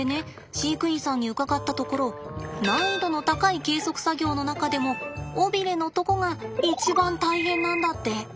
飼育員さんに伺ったところ難易度の高い計測作業の中でも尾びれのとこが一番大変なんだって。